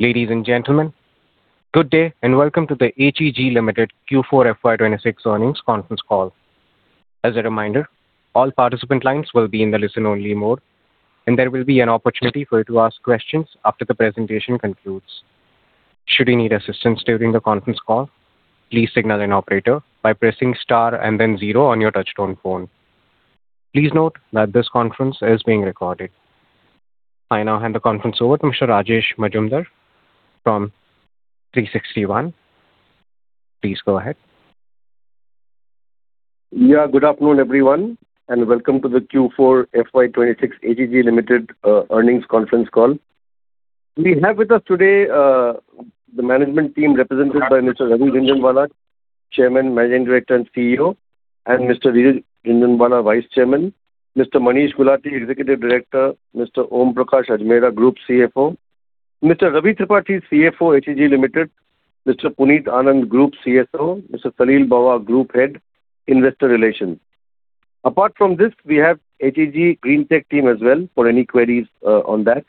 Ladies and gentlemen, good day. Welcome to the HEG Limited Q4 FY 2026 earnings conference call. As a reminder, all participant lines will be in the listen-only mode. There will be an opportunity for you to ask questions after the presentation concludes. Should you need assistance during the conference call, please signal an operator by pressing star and then zero on your touchtone phone. Please note that this conference is being recorded. I now hand the conference over to Mr. Rajesh Majumdar from 360 ONE. Please go ahead. Yeah, good afternoon, everyone, welcome to the Q4 FY 2026 HEG Limited earnings conference call. We have with us today the management team represented by Mr. Ravi Jhunjhunwala, Chairman, Managing Director, and CEO, and Mr. Riju Jhunjhunwala, Vice Chairman, Mr. Manish Gulati, Executive Director, Mr. Om Prakash Ajmera, Group CFO, Mr. Ravi Tripathi, CFO, HEG Limited, Mr. Puneet Anand, Group CSO, Mr. Salil Bawa, Group Head, Investor Relations. Apart from this, we have HEG Greentech team as well for any queries on that.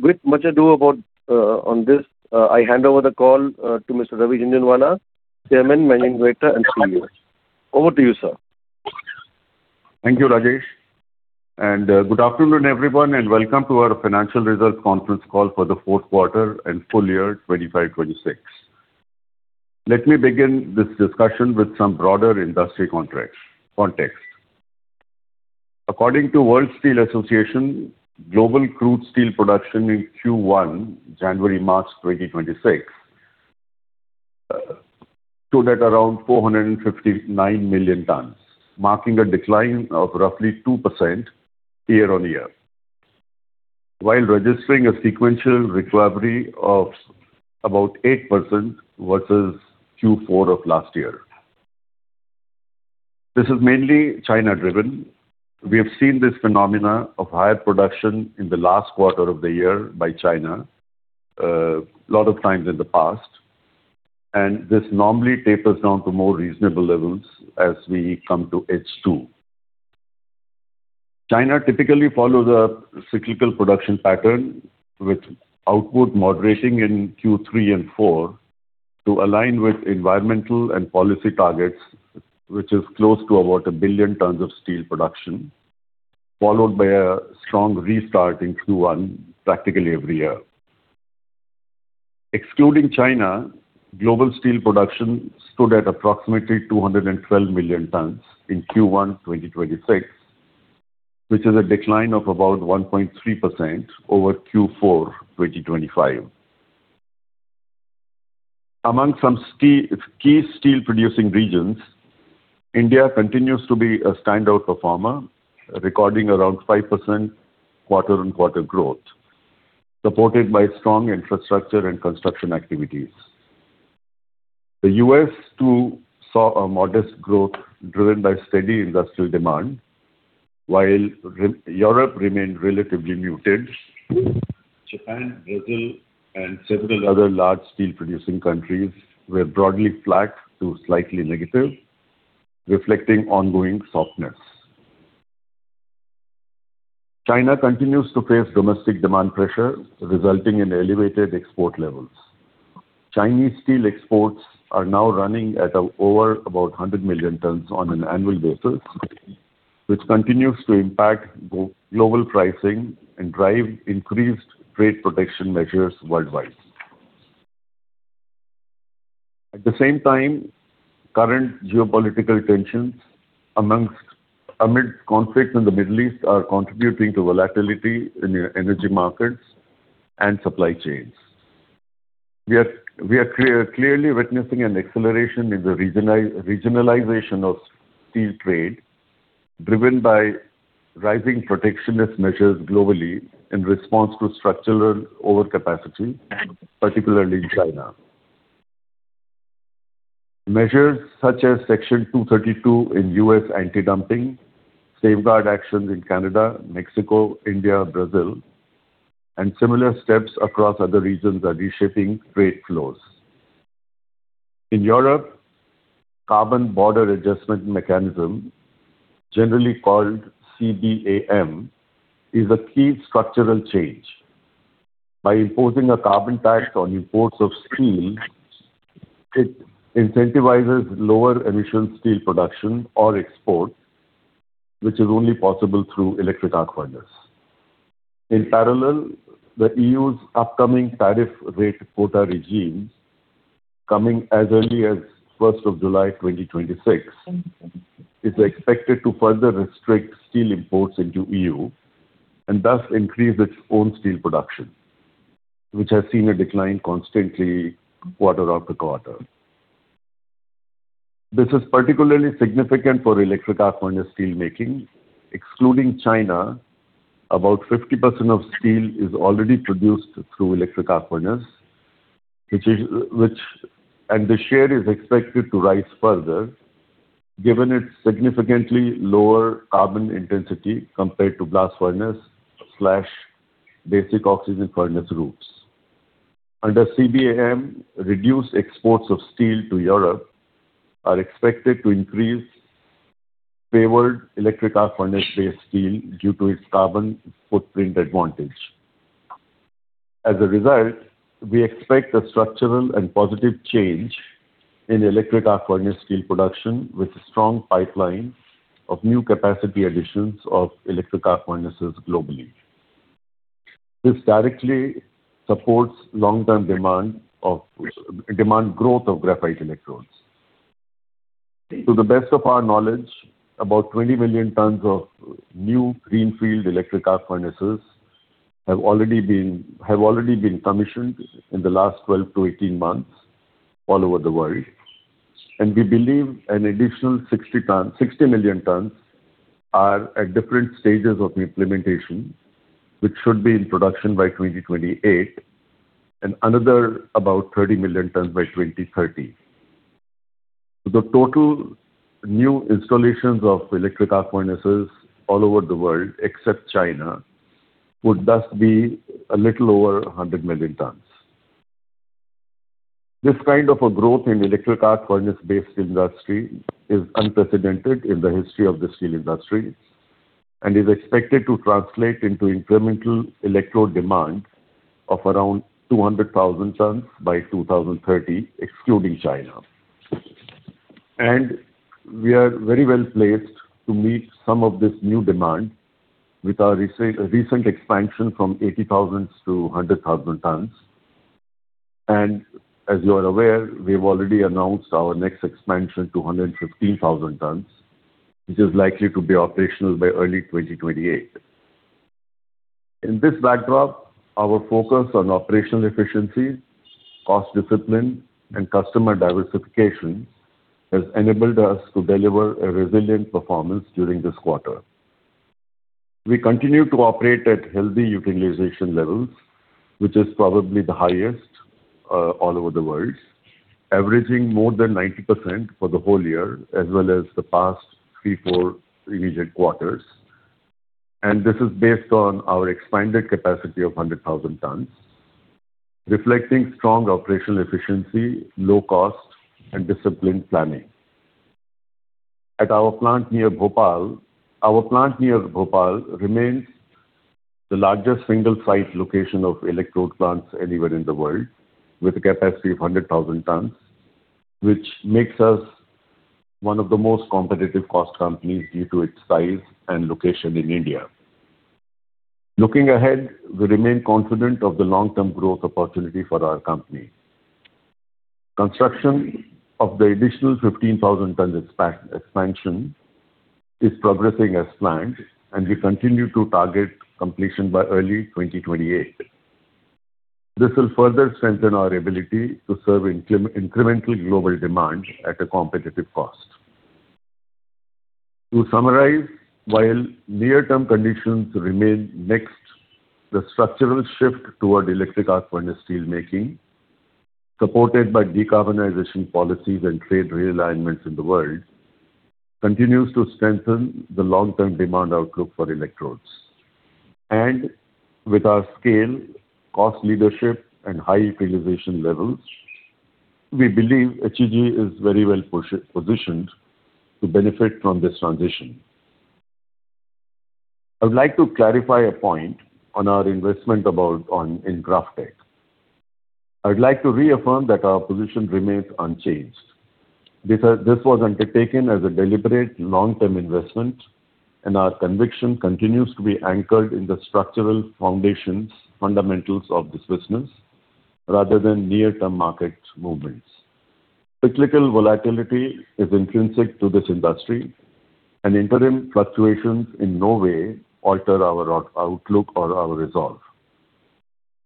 With much ado about on this, I hand over the call to Mr. Ravi Jhunjhunwala, Chairman, Managing Director, and CEO. Over to you, sir. Thank you, Rajesh. Good afternoon, everyone, and welcome to our financial results conference call for the fourth quarter and full year 2025, 2026. Let me begin this discussion with some broader industry context. According to World Steel Association, global crude steel production in Q1, January-March 2026, stood at around 459 million tons, marking a decline of roughly 2% year-on-year, while registering a sequential recovery of about 8% versus Q4 of last year. This is mainly China driven. We have seen this phenomena of higher production in the last quarter of the year by China, a lot of times in the past, and this normally tapers down to more reasonable levels as we come to H2. China typically follow the cyclical production pattern with output moderating in Q3 and Q4 to align with environmental and policy targets, which is close to about 1 billion tons of steel production, followed by a strong restart in Q1 practically every year. Excluding China, global steel production stood at approximately 212 million tons in Q1 2026, which is a decline of about 1.3% over Q4 2025. Among some key steel producing regions, India continues to be a standout performer, recording around 5% quarter-on-quarter growth, supported by strong infrastructure and construction activities. The U.S. too saw a modest growth driven by steady industrial demand, while Europe remained relatively muted. Japan, Brazil, and several other large steel producing countries were broadly flat to slightly negative, reflecting ongoing softness. China continues to face domestic demand pressure, resulting in elevated export levels. Chinese steel exports are now running at over about 100 million tons on an annual basis, which continues to impact global pricing and drive increased trade protection measures worldwide. At the same time, current geopolitical tensions amidst conflicts in the Middle East are contributing to volatility in the energy markets and supply chains. We are clearly witnessing an acceleration in the regionalization of steel trade driven by rising protectionist measures globally in response to structural overcapacity, particularly in China. Measures such as Section 232 in U.S. anti-dumping, safeguard actions in Canada, Mexico, India, Brazil, and similar steps across other regions are reshaping trade flows. In Europe, Carbon Border Adjustment Mechanism, generally called CBAM, is a key structural change. By imposing a carbon tax on imports of steel, it incentivizes lower emission steel production or exports, which is only possible through electric arc furnace. In parallel, the EU's upcoming tariff-rate quota regimes coming as early as 1st of July, 2026, is expected to further restrict steel imports into EU and thus increase its own steel production, which has seen a decline constantly quarter after quarter. This is particularly significant for electric arc furnace steel making. Excluding China, about 50% of steel is already produced through electric arc furnace, which is, the share is expected to rise further given its significantly lower carbon intensity compared to blast furnace slash basic oxygen furnace routes. Under CBAM, reduced exports of steel to Europe are expected to increase favored electric arc furnace based steel due to its carbon footprint advantage. As a result, we expect a structural and positive change in electric arc furnace steel production with a strong pipeline of new capacity additions of electric arc furnaces globally. This directly supports long-term demand growth of graphite electrodes. To the best of our knowledge, about 20 million tons of new greenfield electric arc furnaces have already been commissioned in the last 12 to 18 months all over the world. We believe an additional 60 million tons are at different stages of implementation, which should be in production by 2028 and another about 30 million tons by 2030. The total new installations of electric arc furnaces all over the world, except China, would thus be a little over 100 million tons. This kind of a growth in electric arc furnace based industry is unprecedented in the history of the steel industry and is expected to translate into incremental electrode demand of around 200,000 tons by 2030, excluding China. We are very well placed to meet some of this new demand with our recent expansion from 80,000 to 100,000 tons. As you are aware, we've already announced our next expansion to 115,000 tons, which is likely to be operational by early 2028. In this backdrop, our focus on operational efficiency, cost discipline, and customer diversification has enabled us to deliver a resilient performance during this quarter. We continue to operate at healthy utilization levels, which is probably the highest all over the world, averaging more than 90% for the whole year as well as the past three, four immediate quarters. This is based on our expanded capacity of 100,000 tons, reflecting strong operational efficiency, low cost, and disciplined planning. At our plant near Bhopal, our plant near Bhopal remains the largest single site location of electrode plants anywhere in the world, with a capacity of 100,000 tons, which makes us one of the most competitive cost companies due to its size and location in India. Looking ahead, we remain confident of the long-term growth opportunity for our company. Construction of the additional 15,000 tons expansion is progressing as planned. We continue to target completion by early 2028. This will further strengthen our ability to serve incremental global demand at a competitive cost. To summarize, while near-term conditions remain mixed, the structural shift toward electric arc furnace steel making, supported by decarbonization policies and trade realignments in the world, continues to strengthen the long-term demand outlook for electrodes. With our scale, cost leadership, and high utilization levels, we believe HEG is very well positioned to benefit from this transition. I would like to clarify a point on our investment in GrafTech. I would like to reaffirm that our position remains unchanged. This was undertaken as a deliberate long-term investment, our conviction continues to be anchored in the structural foundations fundamentals of this business rather than near-term market movements. Cyclical volatility is intrinsic to this industry, interim fluctuations in no way alter our outlook or our resolve.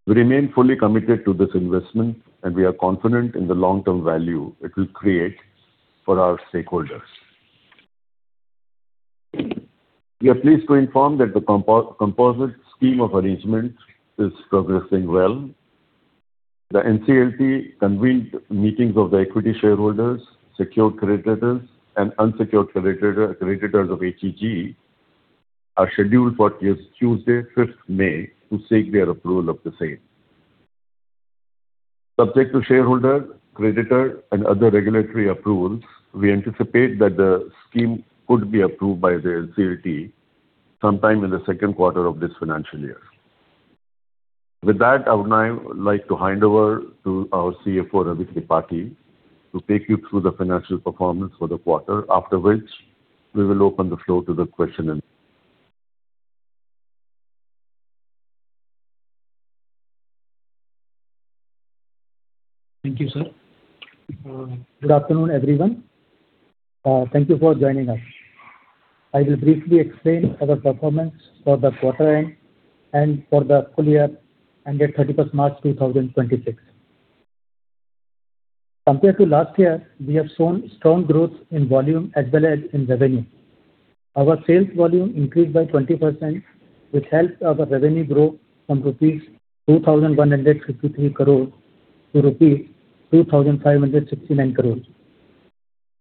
We remain fully committed to this investment, and we are confident in the long-term value it will create for our stakeholders. We are pleased to inform that the composite scheme of arrangement is progressing well. The NCLT convened meetings of the equity shareholders, secured creditors, and unsecured creditors of HEG are scheduled for this Tuesday, 5th May, to seek their approval of the same. Subject to shareholder, creditor, and other regulatory approvals, we anticipate that the scheme could be approved by the NCLT sometime in the second quarter of this financial year. With that, I would now like to hand over to our CFO, Ravi Tripathi, to take you through the financial performance for the quarter, after which we will open the floor to the question and- Thank you, sir. Good afternoon, everyone. Thank you for joining us. I will briefly explain our performance for the quarter end and for the full year ended 31st March 2026. Compared to last year, we have shown strong growth in volume as well as in revenue. Our sales volume increased by 20%, which helped our revenue grow from rupees 2,153 crore to rupees 2,569 crores.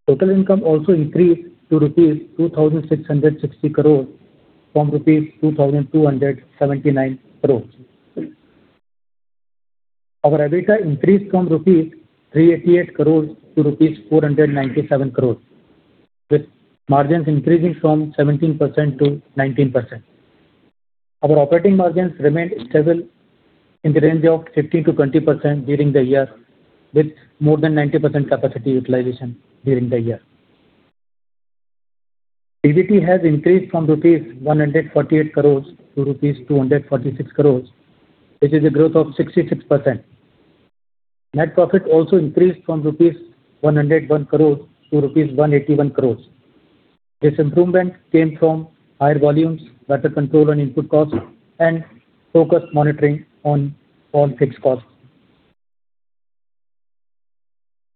Total income also increased to rupees 2,660 crore from rupees 2,279 crores. Our EBITDA increased from rupees 388 crores to rupees 497 crores, with margins increasing from 17% to 19%. Our operating margins remained stable in the range of 15%-20% during the year, with more than 90% capacity utilization during the year. PBT has increased from rupees 148 crores to rupees 246 crores, which is a growth of 66%. Net profit also increased from rupees 101 crores to rupees 181 crores. This improvement came from higher volumes, better control on input costs, and focused monitoring on all fixed costs.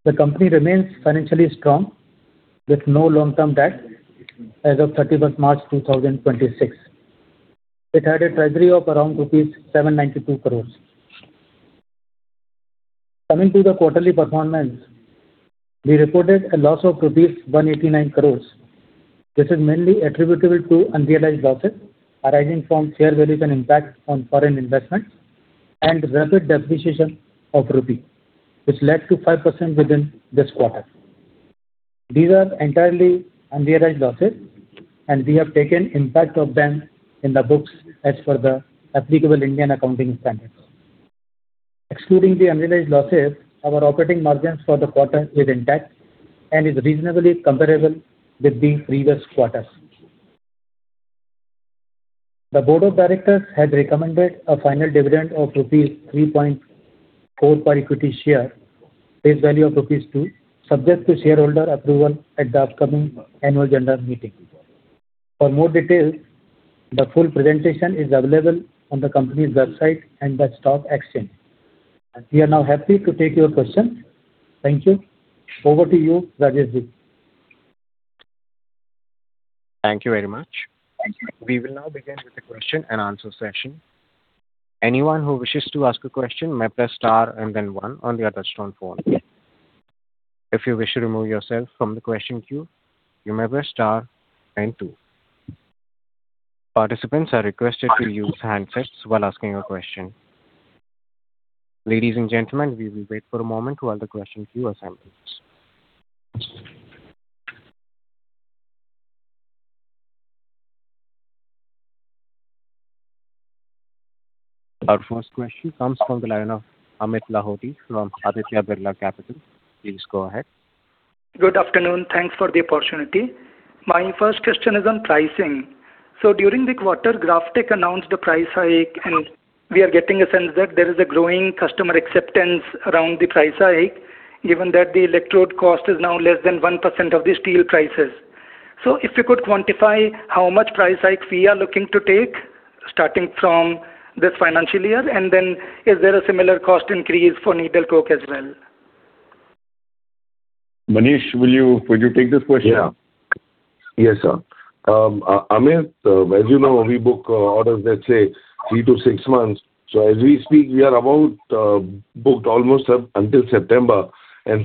The company remains financially strong with no long-term debt as of 31st March 2026. It had a treasury of around rupees 792 crores. Coming to the quarterly performance, we reported a loss of 189 crores, which is mainly attributable to unrealized losses arising from fair valuation impact on foreign investments and rapid depreciation of rupee, which led to 5% within this quarter. These are entirely unrealized losses, and we have taken impact of them in the books as per the applicable Indian accounting standards. Excluding the unrealized losses, our operating margins for the quarter is intact and is reasonably comparable with the previous quarters. The board of directors has recommended a final dividend of rupees 3.4 per equity share, face value of rupees 2, subject to shareholder approval at the upcoming annual general meeting. For more details, the full presentation is available on the company's website and the stock exchange. We are now happy to take your questions. Thank you. Over to you, Rajesh. Thank you very much. Thank you. We will now begin with the question-and-answer session. Anyone who wishes to ask a question may press star and then one on their touchtone phone. If you wish to remove yourself from the question queue, you may press star and two. Participants are requested to use handsets while asking a question. Ladies and gentlemen, we will wait for a moment while the question queue assembles. Our first question comes from the line of Amit Lahoti from Aditya Birla Capital. Please go ahead. Good afternoon. Thanks for the opportunity. My first question is on pricing. During the quarter, GrafTech announced a price hike, and we are getting a sense that there is a growing customer acceptance around the price hike, given that the electrode cost is now less than 1% of the steel prices. If you could quantify how much price hike we are looking to take starting from this financial year, and then is there a similar cost increase for needle coke as well? Manish, will you take this question? Yeah. Yes, sir. Amit, as you know, we book orders let's say 3-6 months. As we speak, we are about booked almost up until September.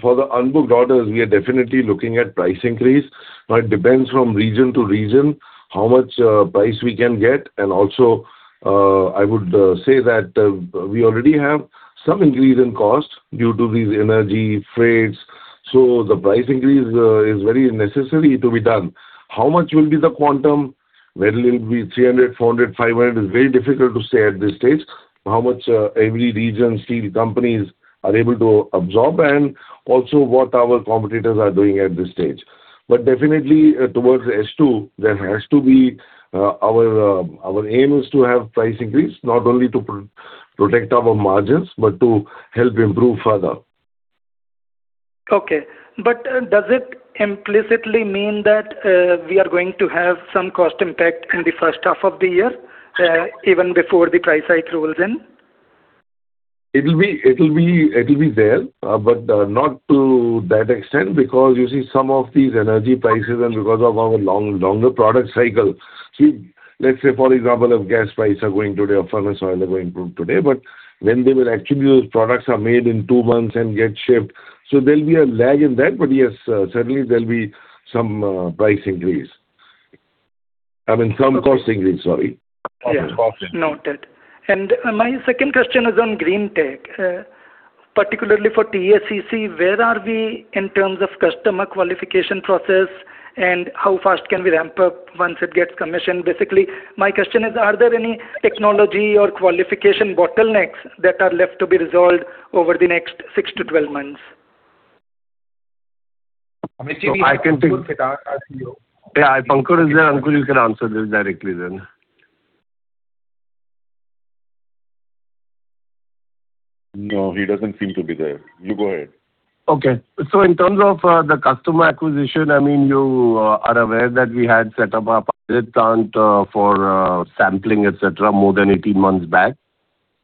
For the unbooked orders, we are definitely looking at price increase. Now, it depends from region to region how much price we can get. Also, I would say that we already have some increase in cost due to these energy freights, the price increase is very necessary to be done. How much will be the quantum? Whether it will be 300, 400, 500, it's very difficult to say at this stage how much every region steel companies are able to absorb and also what our competitors are doing at this stage. Definitely, towards H2, there has to be, our aim is to have price increase, not only to protect our margins, but to help improve further. Okay. Does it implicitly mean that we are going to have some cost impact in the first half of the year, even before the price hike rolls in? It'll be there, but not to that extent because you see some of these energy prices and because of our longer product cycle. Let's say for example, if gas prices are going today or furnace oil are going today, but when they will actually use products are made in 2 months and get shipped. There'll be a lag in that. Yes, certainly there'll be some price increase. I mean some cost increase, sorry. Yeah. Noted. My second question is on Greentech. Particularly for TACC, where are we in terms of customer qualification process and how fast can we ramp up once it gets commissioned? Basically, my question is, are there any technology or qualification bottlenecks that are left to be resolved over the next 6-12 months? Amitji- I can take- -with our CEO. Yeah, if Pankaj is there, Pankaj you can answer this directly then. No, he doesn't seem to be there. You go ahead. Okay. In terms of the customer acquisition, I mean you are aware that we had set up a pilot plant for sampling, et cetera, more than 18 months back.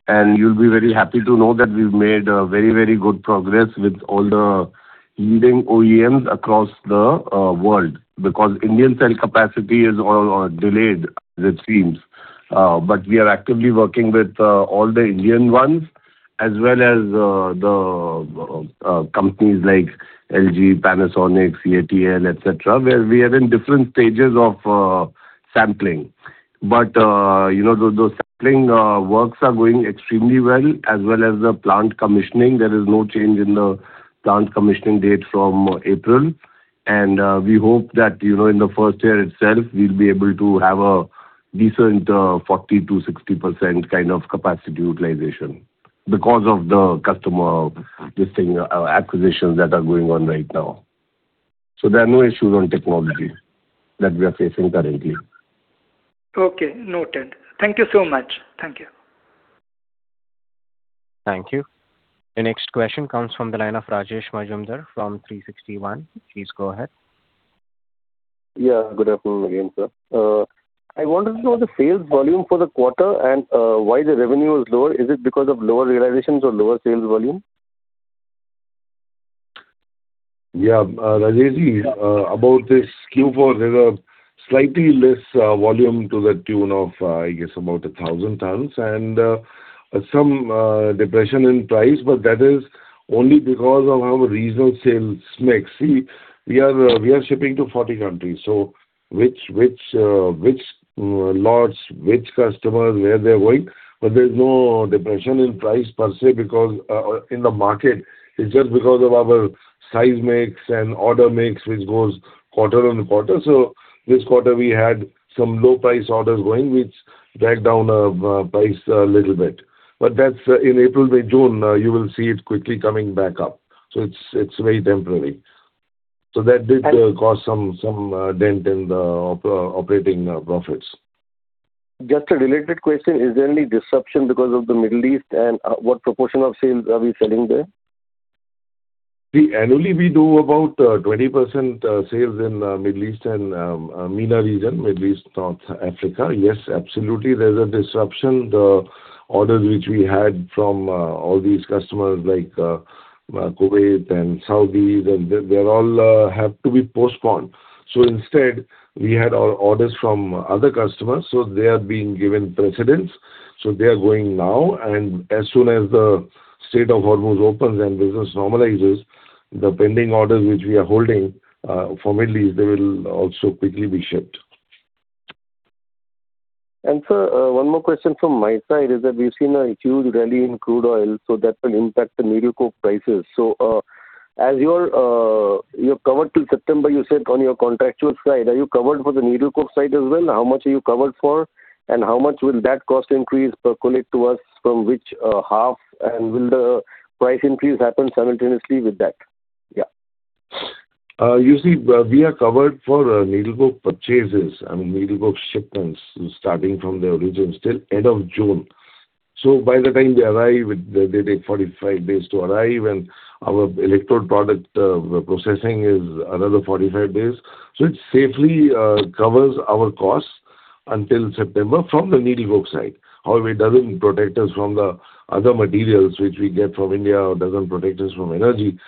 You'll be very happy to know that we've made a very, very good progress with all the leading OEMs across the world because Indian cell capacity is all delayed as it seems. But we are actively working with all the Indian ones as well as the companies like LG, Panasonic, CATL, et cetera, where we are in different stages of sampling. You know, those sampling works are going extremely well as well as the plant commissioning. There is no change in the plant commissioning date from April. We hope that, you know, in the first year itself we'll be able to have a decent 40%-60% kind of capacity utilization because of the customer listing acquisitions that are going on right now. There are no issues on technology that we are facing currently. Okay, noted. Thank you so much. Thank you. Thank you. The next question comes from the line of Rajesh Majumdar from 360 ONE. Please go ahead. Yeah. Good afternoon again, sir. I wanted to know the sales volume for the quarter and why the revenue is lower. Is it because of lower realizations or lower sales volume? Yeah, Rajesh, about this Q4, there's a slightly less volume to the tune of, I guess about 1,000 tons and some depression in price, that is only because of our regional sales mix. We are shipping to 40 countries, which lots, which customer, where they're going, there's no depression in price per se because in the market it's just because of our size mix and order mix, which goes quarter-on-quarter. This quarter we had some low price orders going, which dragged down our price a little bit. That's in April to June, you will see it quickly coming back up. It's very temporary. And- cause some dent in the operating profits. Just a related question. Is there any disruption because of the Middle East and what proportion of sales are we selling there? See, annually we do about 20% sales in Middle East and MENA region, Middle East North Africa. Yes, absolutely there's a disruption. The orders which we had from all these customers like Kuwait and Saudis and they all have to be postponed. Instead, we had our orders from other customers, they are being given precedence. They are going now and as soon as the Strait of Hormuz opens and business normalizes, the pending orders which we are holding for Middle East, they will also quickly be shipped. Sir, one more question from my side is that we've seen a huge rally in crude oil, so that will impact the needle coke prices. As your, you're covered till September you said on your contractual side. Are you covered for the needle coke side as well? How much are you covered for and how much will that cost increase percolate to us from which half and will the price increase happen simultaneously with that? You see, we are covered for needle coke purchases. I mean, needle coke shipments starting from the origin till end of June. By the time they arrive, they take 45 days to arrive and our electrode product processing is another 45 days. It safely covers our costs until September from the needle coke side. However, it doesn't protect us from the other materials which we get from India or doesn't protect us from energy.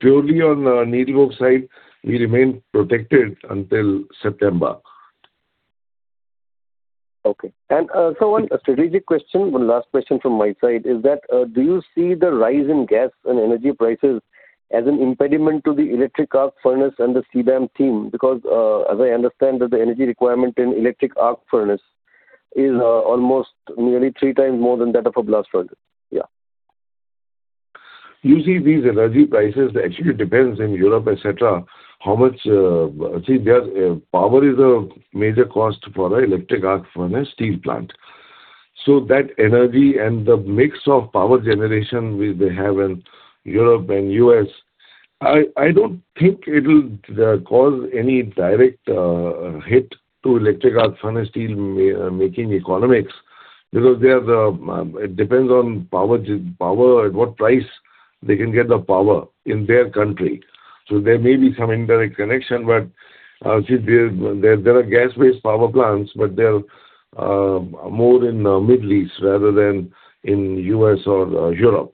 Purely on needle coke side, we remain protected until September. Okay. Sir, one strategic question, one last question from my side is that, do you see the rise in gas and energy prices as an impediment to the electric arc furnace and the CBAM team? Because, as I understand that the energy requirement in electric arc furnace is almost nearly 3x more than that of a blast furnace. Yeah. You see these energy prices, they actually depends in Europe, et cetera, how much. Their power is a major cost for a electric arc furnace steel plant. That energy and the mix of power generation which they have in Europe and U.S., I don't think it'll cause any direct hit to electric arc furnace steel making economics because they are the. It depends on power, at what price they can get the power in their country. There may be some indirect connection, but see there, there are gas-based power plants, but they're more in Middle East rather than in U.S. or Europe.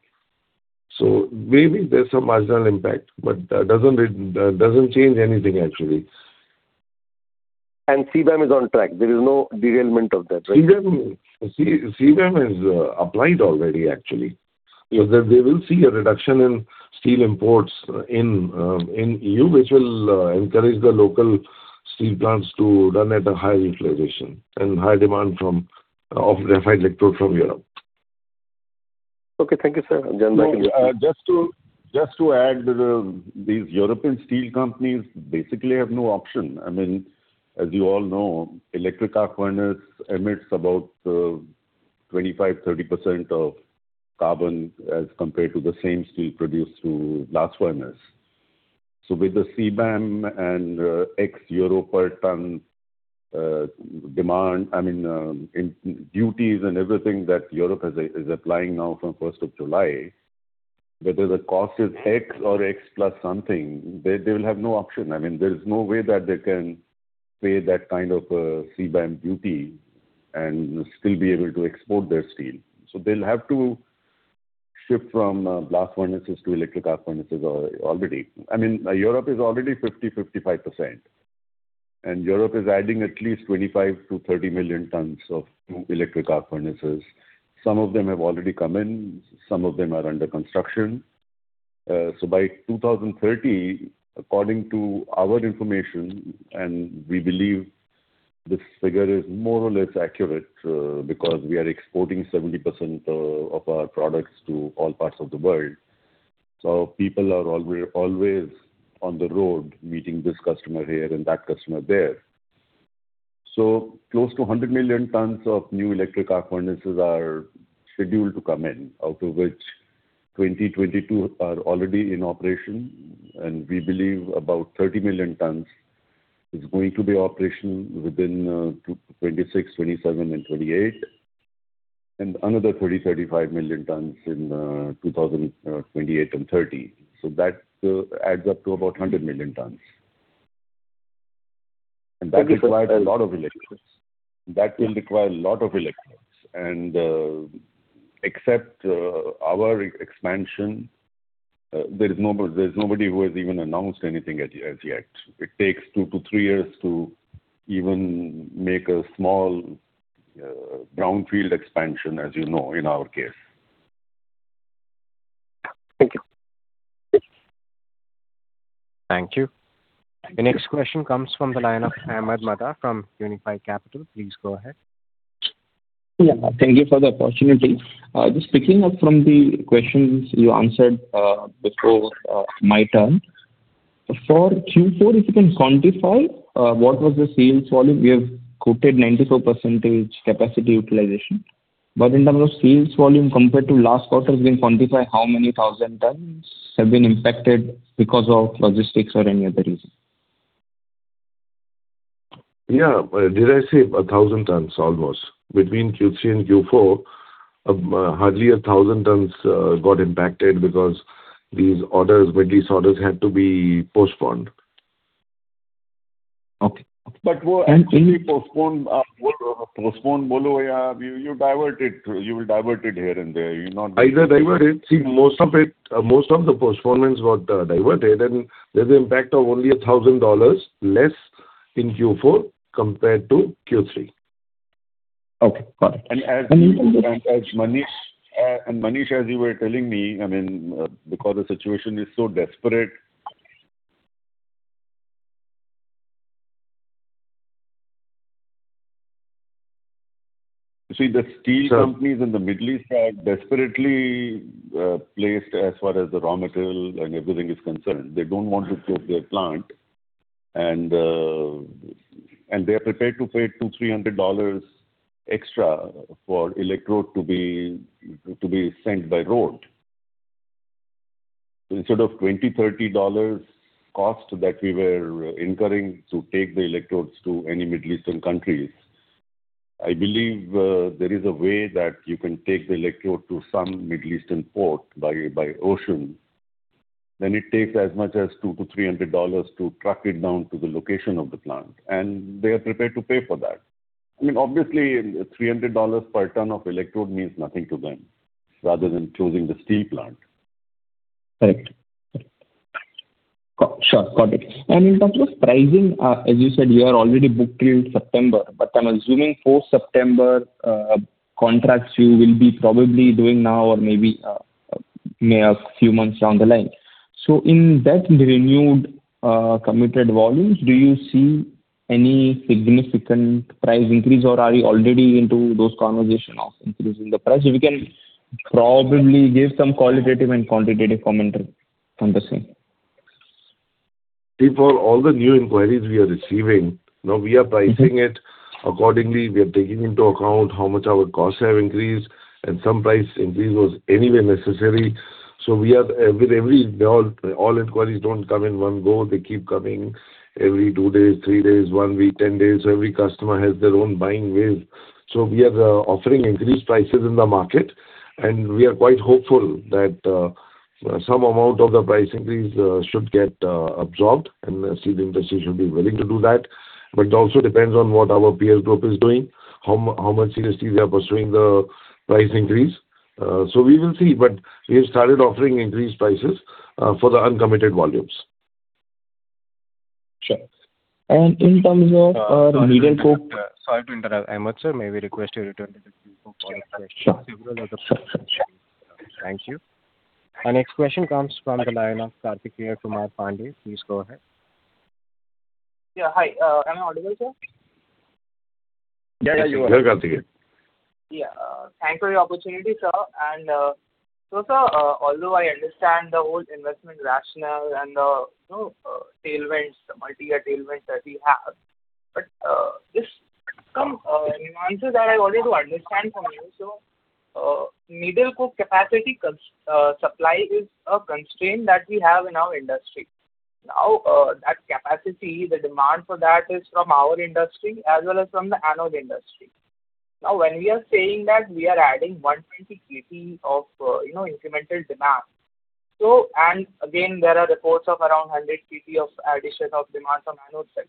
Maybe there's some marginal impact, but that doesn't change anything actually. CBAM is on track. There is no derailment of that, right? CBAM, CBAM is applied already actually. They will see a reduction in steel imports in EU which will encourage the local steel plants to run at a higher utilization and high demand of refined electrode from Europe. Okay. Thank you, sir. Back in- No, just to, just to add, these European steel companies basically have no option. I mean, as you all know, electric arc furnace emits about 25%-30% of carbon as compared to the same steel produced through blast furnace. With the CBAM and, ex-Euro per ton, demand, I mean, in duties and everything that Europe is applying now from first of July, whether the cost is X or X plus something, they will have no option. I mean, there's no way that they can pay that kind of a CBAM duty and still be able to export their steel. They'll have to shift from blast furnaces to electric arc furnaces already. I mean, Europe is already 50%-55%, and Europe is adding at least 25 million-30 million tons of new electric arc furnaces. Some of them have already come in, some of them are under construction. So by 2030, according to our information, and we believe this figure is more or less accurate, because we are exporting 70% of our products to all parts of the world. People are always on the road meeting this customer here and that customer there. Close to 100 million tons of new electric arc furnaces are scheduled to come in, out of which 20 million, 22 million are already in operation. We believe about 30 million tons is going to be operational within 2026, 2027, and 2028. Another 30 million-35 million tons in 2028 and 2030. That adds up to about 100 million tons. Thank you, sir. That requires a lot of electrodes. That will require a lot of electrodes. Except our expansion, there's nobody who has even announced anything as yet. It takes two to three years to even make a small brownfield expansion, as you know, in our case. Thank you. Thank you. The next question comes from the line of Ahmed Madar from Unifi Capital. Please go ahead. Yeah. Thank you for the opportunity. Just picking up from the questions you answered before my turn. For Q4, if you can quantify what was the sales volume? You have quoted 94% capacity utilization. In terms of sales volume compared to last quarter, can you quantify how many 1,000 tons have been impacted because of logistics or any other reason? Yeah. Did I say 1,000 tons almost? Between Q3 and Q4, hardly 1,000 tons got impacted because these orders had to be postponed. Okay. But were- any postponed. You divert it. You will divert it here and there. See, most of it, most of the postponements got diverted, and there's an impact of only $1,000 less in Q4 compared to Q3. Okay. Got it. As Manish, as you were telling me, I mean, because the situation is so desperate. You see, the steel companies in the Middle East are desperately placed as far as the raw material and everything is concerned. They don't want to close their plant. They are prepared to pay $200-$300 extra for electrode to be sent by road. Instead of $20-$30 cost that we were incurring to take the electrodes to any Middle Eastern countries, I believe, there is a way that you can take the electrode to some Middle Eastern port by ocean. It takes as much as $200-$300 to truck it down to the location of the plant, and they are prepared to pay for that. I mean, obviously, $300 per ton of electrode means nothing to them, rather than closing the steel plant. Correct. Sure. Got it. In terms of pricing, as you said, you are already booked till September, but I'm assuming post-September contracts you will be probably doing now or maybe a few months down the line. In that renewed, committed volumes, do you see any significant price increase, or are you already into those conversation of increasing the price? If you can probably give some qualitative and quantitative commentary on the same. For all the new inquiries we are receiving, now we are pricing it accordingly. We are taking into account how much our costs have increased, some price increase was anyway necessary. All inquiries don't come in one go. They keep coming every 2-days, 3-days, 1-week, 10-days. Every customer has their own buying ways. We are offering increased prices in the market, we are quite hopeful that some amount of the price increase should get absorbed, the steel industry should be willing to do that. It also depends on what our peers group is doing, how much seriously they are pursuing the price increase. We will see, we have started offering increased prices for the uncommitted volumes. Sure. In terms of needle coke. Sorry to interrupt. Sorry to interrupt, Ahmed, sir. May we request you to return to the queue for following questions? Several other participants are waiting. Thank you. Our next question comes from the line of Kartikeya Kumar Pandey. Please go ahead. Hi. Am I audible, sir? Yeah, yeah. You are. Yeah, Kartikay. Yeah. Thanks for the opportunity, sir. Sir, although I understand the whole investment rationale and the, you know, tailwinds, multi-year tailwinds that we have, there's some nuances that I wanted to understand from you. Needle coke capacity supply is a constraint that we have in our industry. That capacity, the demand for that is from our industry as well as from the anode industry. When we are saying that we are adding 120,000 tones of, you know, incremental demand. Again, there are reports of around 100,000 tons of addition of demand from anode side.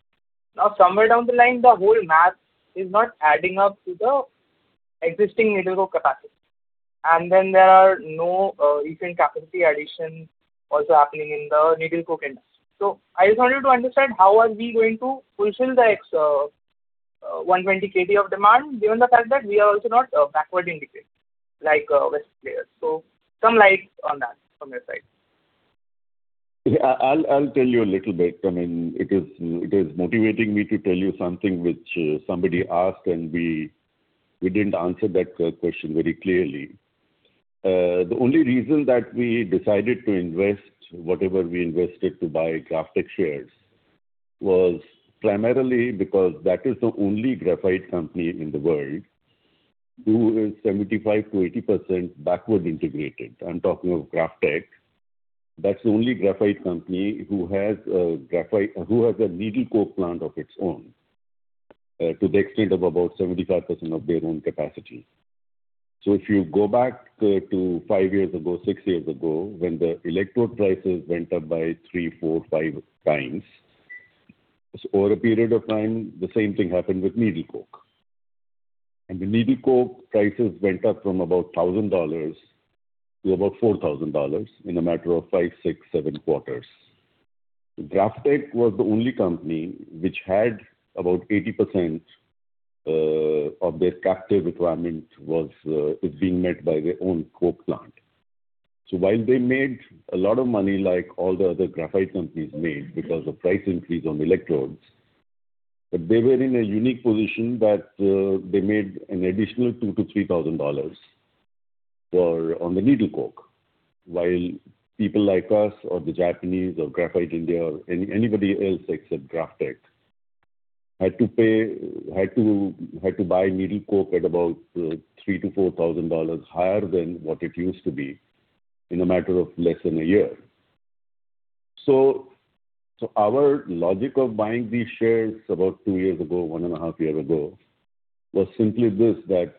Somewhere down the line, the whole math is not adding up to the existing needle coke capacity. There are no recent capacity addition also happening in the needle coke industry. I just wanted to understand how are we going to fulfill the 120,000 tons of demand, given the fact that we are also not backward integrated like West players. Some lights on that from your side. I'll tell you a little bit. It is motivating me to tell you something which somebody asked, and we didn't answer that question very clearly. The only reason that we decided to invest whatever we invested to buy GrafTech shares was primarily because that is the only graphite company in the world who is 75% to 80% backward integrated. I'm talking of GrafTech. That's the only graphite company who has a needle coke plant of its own to the extent of about 75% of their own capacity. If you go back to 5-years ago, 6-years ago, when the electrode prices went up by 3x, 4x, 5x, over a period of time, the same thing happened with needle coke. The needle coke prices went up from about $1,000 to about $4,000 in a matter of 5, 6, 7 quarters. GrafTech was the only company which had about 80% of their captive requirement was being met by their own coke plant. While they made a lot of money like all the other graphite companies made because of price increase on electrodes, they were in a unique position that they made an additional $2,000-$3,000 on the needle coke. While people like us or the Japanese or Graphite India or anybody else except GrafTech had to buy needle coke at about $3,000-$4,000 higher than what it used to be in a matter of less than a year. So our logic of buying these shares about two years ago, one and a half year ago, was simply this, that,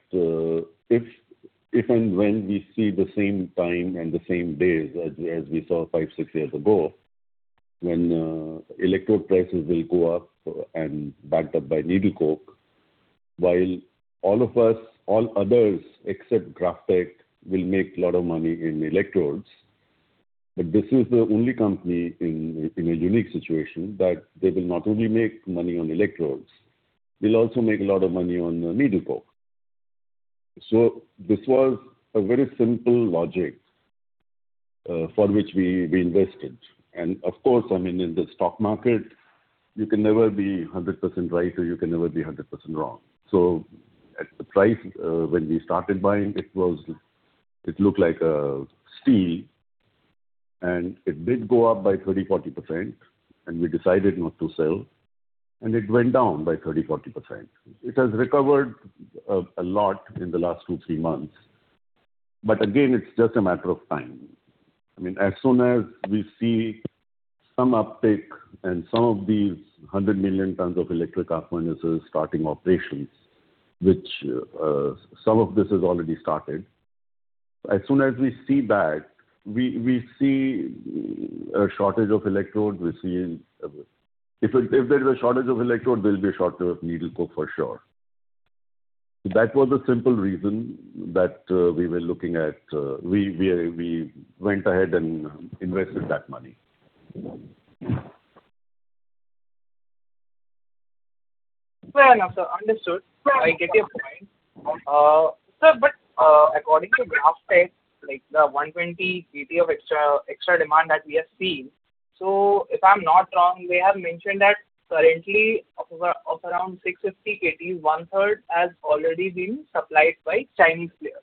if and when we see the same time and the same days as we saw five, six years ago, when electrode prices will go up and backed up by needle coke, while all of us, all others except GrafTech will make a lot of money in electrodes, but this is the only company in a unique situation that they will not only make money on electrodes, they'll also make a lot of money on needle coke. This was a very simple logic, for which we invested. Of course, I mean, in the stock market, you can never be 100% right or you can never be 100% wrong. At the price, when we started buying, it looked like a steal, and it did go up by 30%-40%, and we decided not to sell, and it went down by 30%-40%. It has recovered a lot in the last 2-3 months. Again, it's just a matter of time. I mean, as soon as we see some uptake and some of these 100 million tons of electric arc furnaces starting operations, which some of this has already started. As soon as we see that, we see a shortage of electrodes. We are seeing if there is a shortage of electrode, there will be a shortage of needle coke for sure. That was the simple reason that we were looking at, we went ahead and invested that money. Fair enough, sir. Understood. I get your point. Sir, according to GrafTech, like the 120,00 tons of extra demand that we have seen, if I'm not wrong, they have mentioned that currently of around 650,000 tons, one third has already been supplied by Chinese players.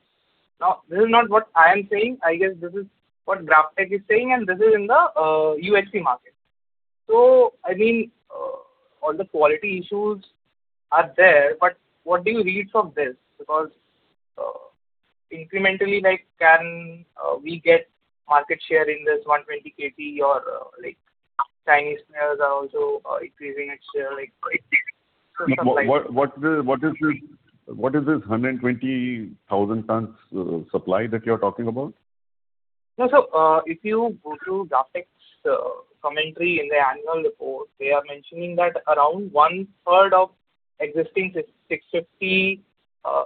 This is not what I am saying. I guess this is what GrafTech is saying, and this is in the UHP market. I mean, all the quality issues are there, but what do you read from this? Incrementally, like can we get market share in this 120,000 tons or like Chinese players are also increasing its share, like increasing the supply What is this 120,000 tons supply that you're talking about? No, sir. If you go to GrafTech's commentary in their annual report, they are mentioning that around one thirs of existing 650,00 tons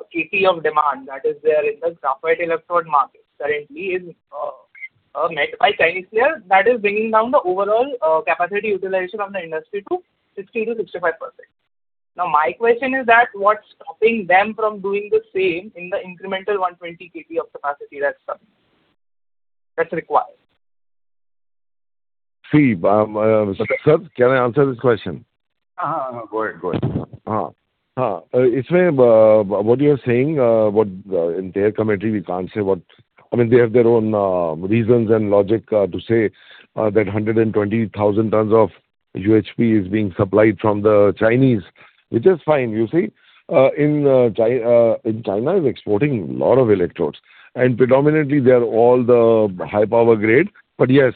of demand that is there in the graphite electrode market currently is met by Chinese players. That is bringing down the overall capacity utilization of the industry to 60%-65%. My question is that what's stopping them from doing the same in the incremental 120,000 tons of capacity that's required? See, sir, can I answer this question? Go ahead. Go ahead. It's very what you are saying, what in their commentary, we can't say what. I mean, they have their own reasons and logic to say that 120,000 tons of UHP is being supplied from the Chinese, which is fine. You see, in China is exporting a lot of electrodes, predominantly they are all the high power grade. Yes,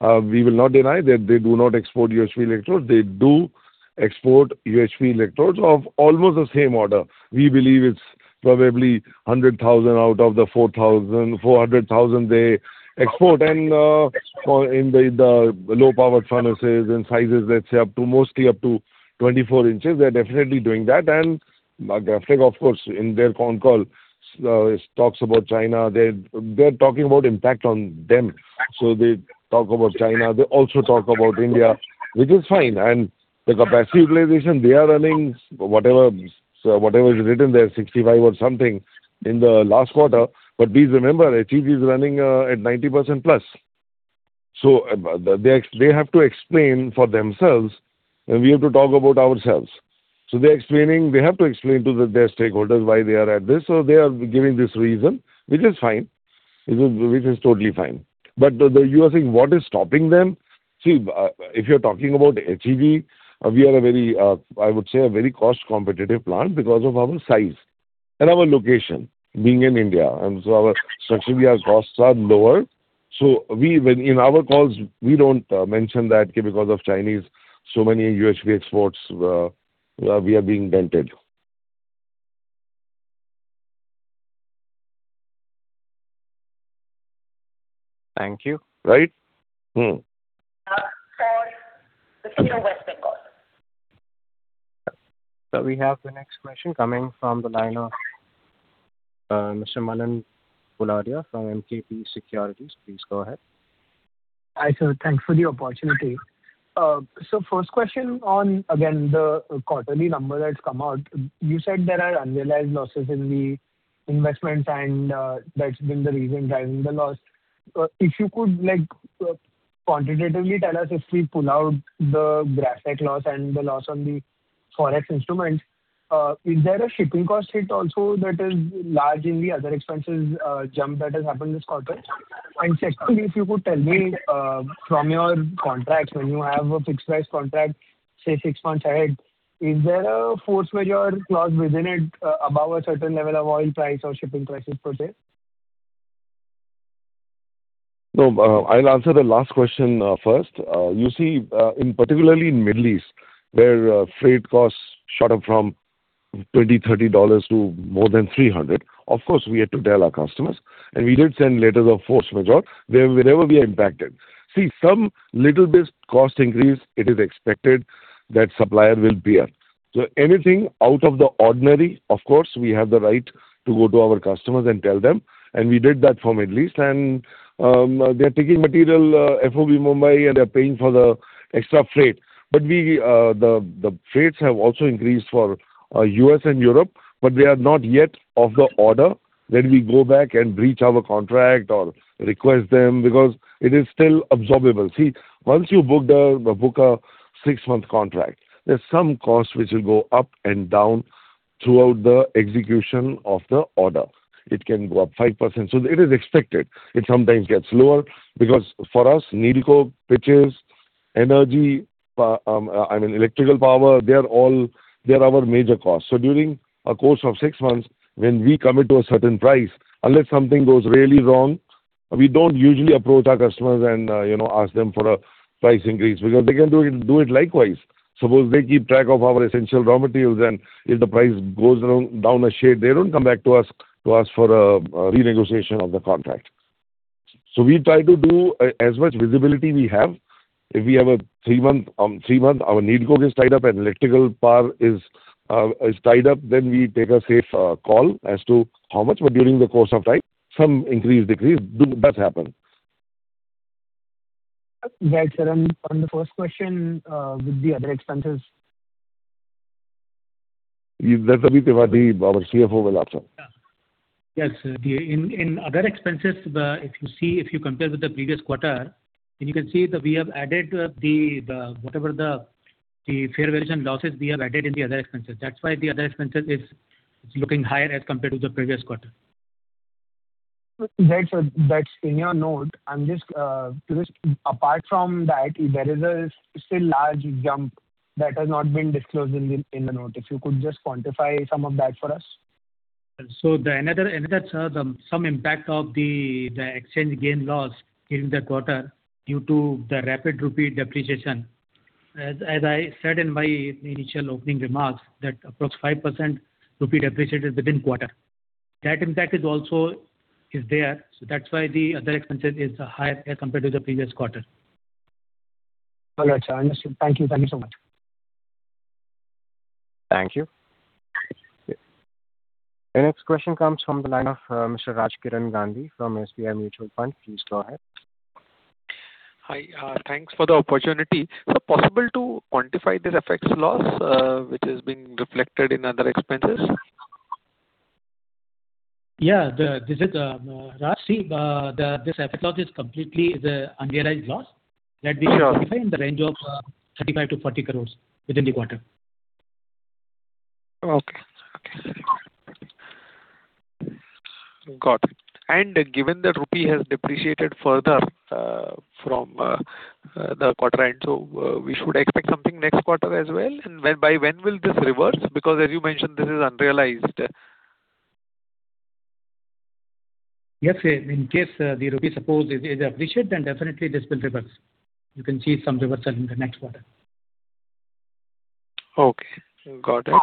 we will not deny that they do not export UHP electrodes. They do export UHP electrodes of almost the same order. We believe it's probably 100,000 tons out of the 404,000 tons they export. For in the low power furnaces and sizes, let's say up to mostly up to 24 inches, they're definitely doing that. GrafTech, of course, in their con call, talks about China. They're talking about impact on them. They talk about China, they also talk about India, which is fine. The capacity utilization they are running, whatever, so whatever is written there, 65% or something in the last quarter. Please remember, HEG is running at 90%+. They have to explain for themselves and we have to talk about ourselves. They're explaining. They have to explain to their stakeholders why they are at this. They are giving this reason, which is fine. Which is totally fine. You are saying what is stopping them. If you're talking about HEG, we are a very, I would say a very cost competitive plant because of our size and our location being in India. Our structural costs are lower. When in our calls we don't mention that because of Chinese so many UHP exports, we are being dented. Thank you. Right. For the tier West Bengal. We have the next question coming from the line of Mr. Manan Poladia from MKP Securities. Please go ahead. Hi, sir. Thanks for the opportunity. First question on, again, the quarterly number that's come out. You said there are unrealized losses in the investments and that's been the reason driving the loss. If you could quantitatively tell us if we pull out the graphite loss and the loss on the Forex instruments, is there a shipping cost hit also that is large in the other expenses, jump that has happened this quarter? Secondly, if you could tell me from your contracts when you have a fixed price contract, say six months ahead, is there a force majeure clause within it, above a certain level of oil price or shipping prices per day? I'll answer the last question first. You see, in particularly in Middle East where freight costs shot up from $20, $30 to more than $300, of course, we had to tell our customers, and we did send letters of force majeure wherever we are impacted. See some little bit cost increase it is expected that supplier will bear. Anything out of the ordinary, of course we have the right to go to our customers and tell them, and we did that for Middle East and they're taking material FOB Mumbai and they're paying for the extra freight. We, the freights have also increased for U.S. and Europe, but they are not yet of the order that we go back and breach our contract or request them because it is still absorbable. Once you book a 6-month contract, there's some costs which will go up and down throughout the execution of the order. It can go up 5%. It is expected. It sometimes gets lower because for us, needle coke pitches, energy, I mean electrical power, they are all, they're our major costs. During a course of 6 months when we commit to a certain price, unless something goes really wrong, we don't usually approach our customers and, you know, ask them for a price increase because they can do it likewise. Suppose they keep track of our essential raw materials and if the price goes down a shade, they don't come back to us for a renegotiation of the contract. We try to do as much visibility we have. If we have a 3-month, 3 month our needle coke is tied up and electrical power is tied up, then we take a safe call as to how much. During the course of time some increase, decrease does happen. Right, sir. On the first question, with the other expenses. That Ravi Tripathi, our CFO will answer. Yes, in other expenses, if you see, if you compare with the previous quarter, then you can see that we have added, whatever the fair valuation losses we have added in the other expenses. That's why the other expenses is looking higher as compared to the previous quarter. That's, that's in your note. I'm just apart from that, there is a still large jump that has not been disclosed in the note. If you could just quantify some of that for us. The another, sir, the some impact of the exchange gain loss during the quarter due to the rapid rupee depreciation. As I said in my initial opening remarks that approx 5% rupee depreciated within quarter. That impact is also is there, that's why the other expenses is higher as compared to the previous quarter. All right, sir. Understood. Thank you. Thank you so much. Thank you. The next question comes from the line of Mr. Raj Kiran Gandhi from SBI Mutual Fund. Please go ahead. Hi. Thanks for the opportunity. Is it possible to quantify this FX loss, which is being reflected in other expenses? Yeah. This is, Raj, see, this FX loss is completely the unrealized loss that we. Sure. identify in the range of 35 crores-40 crores within the quarter. Okay. Okay. Got it. Given that rupee has depreciated further, from the quarter end, so, we should expect something next quarter as well? By when will this reverse? Because as you mentioned, this is unrealized. Yes, in case the rupee suppose it depreciate then definitely this will reverse. You can see some reversal in the next quarter. Okay. Got it.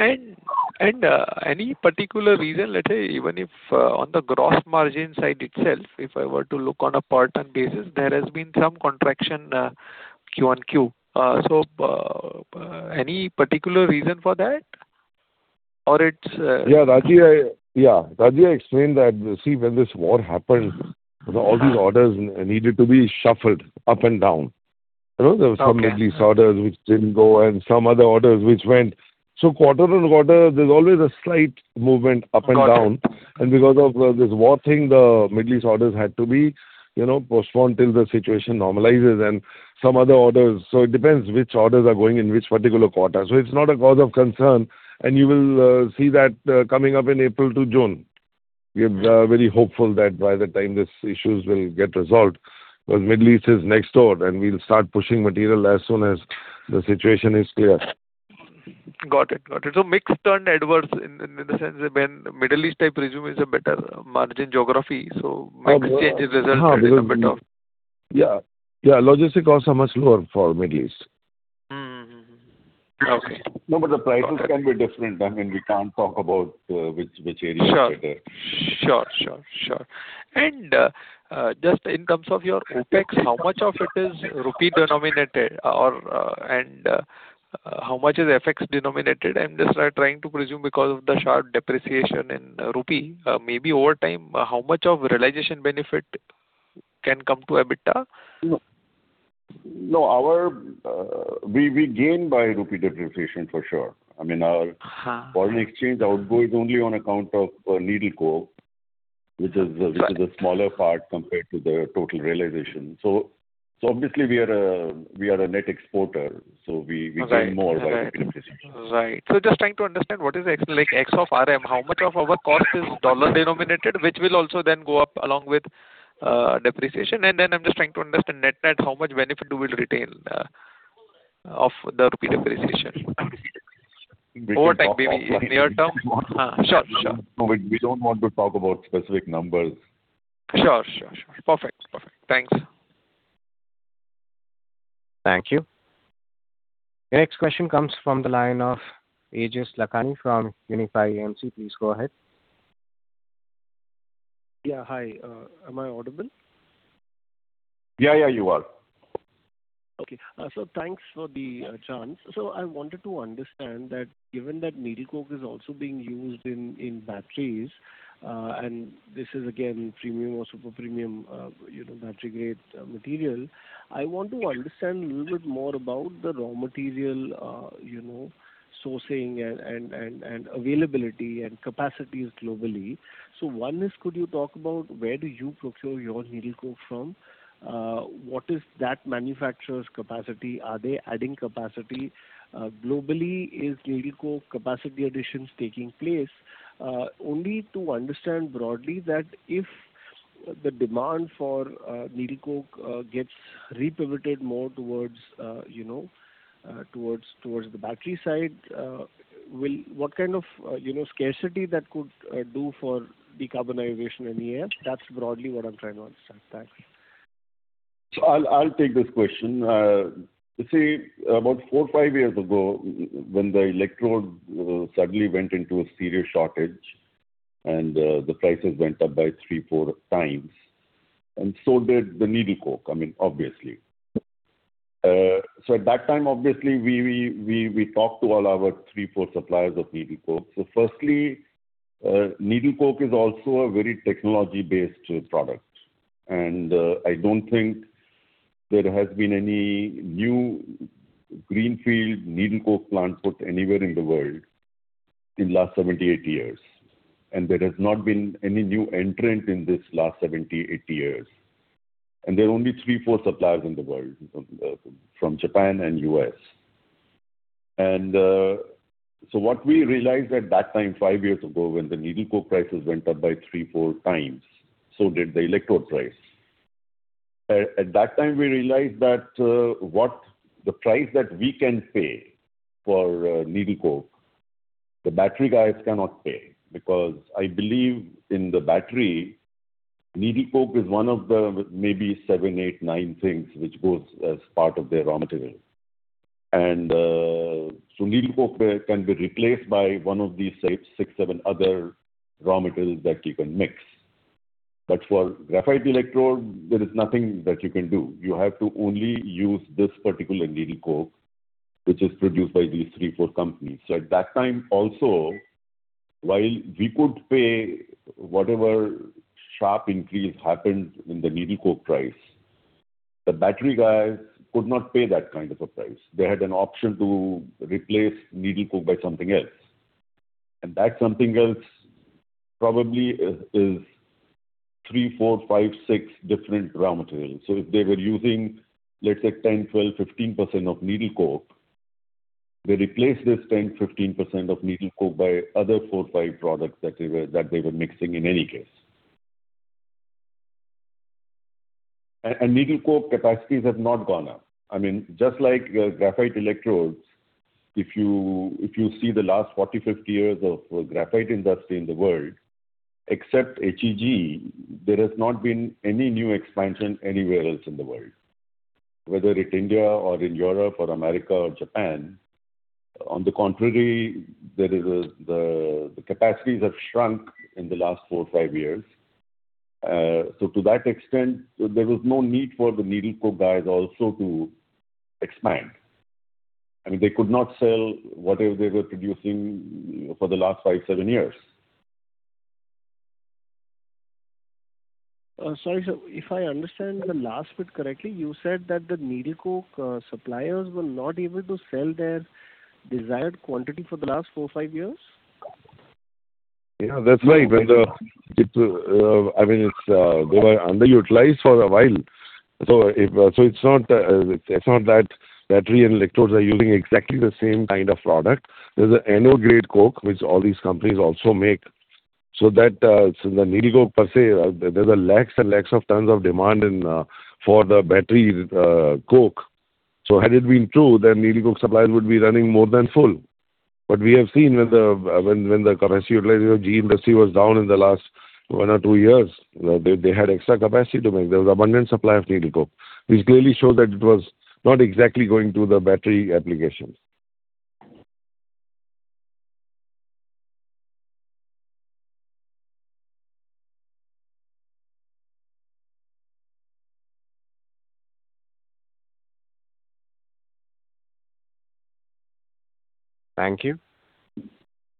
Any particular reason, let's say even if, on the gross margin side itself, if I were to look on a per ton basis, there has been some contraction, Q-on-Q. Any particular reason for that? Or it's Yeah, Rajeev, yeah. Rajeev explained that, see, when this war happened, all these orders needed to be shuffled up and down. You know? Okay. There were some Middle East orders which didn't go, and some other orders which went. Quarter-on-quarter there's always a slight movement up and down. Got it. Because of this war thing, the Middle East orders had to be, you know, postponed till the situation normalizes, and some other orders. It depends which orders are going in which particular quarter. It's not a cause of concern, and you will see that coming up in April to June. We're very hopeful that by the time these issues will get resolved, because Middle East is next door, and we'll start pushing material as soon as the situation is clear. Got it. Got it. Mix turned adverse in the sense that when Middle East type revenue is a better margin geography, mix changes resulted in a bit of. Yeah. Yeah, logistic costs are much lower for Middle East. Mm-hmm. Okay. No, but the prices can be different. I mean, we can't talk about, which area. Sure. Sure, sure. Just in terms of your OpEx, how much of it is rupee denominated or, and, how much is FX denominated? I'm just trying to presume because of the sharp depreciation in rupee, maybe over time, how much of realization benefit can come to EBITDA? No, our. We gain by rupee depreciation for sure. I mean. Uh-huh... foreign exchange outgo is only on account of needle coke, which is. Right which is the smaller part compared to the total realization. obviously we are a net exporter, so we- Okay. Right.... we gain more by rupee depreciation. Right. Just trying to understand what is the like X of RM, how much of our cost is dollar denominated, which will also then go up along with depreciation. I'm just trying to understand net-net how much benefit you will retain of the rupee depreciation. We don't want to talk about. Over time, maybe near term. Sure, sure. No, we don't want to talk about specific numbers. Sure, sure. Perfect. Perfect. Thanks. Thank you. The next question comes from the line of Aejas Lakhani from Unifi AMC. Please go ahead. Yeah. Hi, am I audible? Yeah, yeah, you are. Okay. Thanks for the chance. I wanted to understand that given that needle coke is also being used in batteries, and this is again premium or super premium, you know, battery grade material, I want to understand a little bit more about the raw material, you know, sourcing and availability and capacities globally. One is could you talk about where do you procure your needle coke from? What is that manufacturer's capacity? Are they adding capacity? Globally, is needle coke capacity additions taking place? Only to understand broadly that if the demand for needle coke gets repivoted more towards, you know, towards the battery side, what kind of, you know, scarcity that could do for decarbonization in the air? That's broadly what I'm trying to understand. Thanks. I'll take this question. You see, about 4, 5 years ago when the graphite electrodes suddenly went into a serious shortage and the prices went up by 3x, 4x, and so did the needle coke, I mean, obviously. At that time obviously we talked to all our 3, 4 suppliers of needle coke. Firstly, needle coke is also a very technology based product. I don't think there has been any new greenfield needle coke plant put anywhere in the world in the last 70, 80 years. There has not been any new entrant in this last 70, 80 years. There are only three, four suppliers in the world from Japan and U.S. What we realized at that time, 5 years ago, when the needle coke prices went up by 3x, 4x, so did the electrode price. At that time we realized that what the price that we can pay for needle coke, the battery guys cannot pay. Because I believe in the battery, needle coke is one of the maybe seven, eight, nine things which goes as part of their raw material. Needle coke can be replaced by one of these six, seven other raw materials that you can mix. For graphite electrode, there is nothing that you can do. You have to only use this particular needle coke, which is produced by these three, four companies. At that time also, while we could pay whatever sharp increase happened in the needle coke price, the battery guys could not pay that kind of a price. They had an option to replace needle coke by something else, and that something else probably is three, four, five, six different raw materials. If they were using, let's say, 10%, 12%, 15% of needle coke, they replaced this 10%, 15% of needle coke by other four, five products that they were mixing in any case. Needle coke capacities have not gone up. I mean, just like graphite electrodes, if you see the last 40, 50 years of graphite industry in the world, except HEG, there has not been any new expansion anywhere else in the world, whether in India or in Europe or America or Japan. On the contrary, The capacities have shrunk in the last four, five years. To that extent, there was no need for the needle coke guys also to expand. I mean, they could not sell whatever they were producing for the last five, seven years. Sorry, sir. If I understand the last bit correctly, you said that the needle coke suppliers were not able to sell their desired quantity for the last four, five years? Yeah, that's why when it, I mean, it's, they were underutilized for a while. If, so it's not, it's not that battery and electrodes are using exactly the same kind of product. There's an low-grade coke which all these companies also make. That, so the needle coke per se, there's lakhs and lakhs of tons of demand in for the battery coke. Had it been true, then needle coke suppliers would be running more than full. We have seen when the capacity utilization of GMG was down in the last one or two years, they had extra capacity to make. There was abundant supply of needle coke, which clearly showed that it was not exactly going to the battery applications. Thank you.